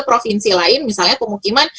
provinsi lain misalnya pemukiman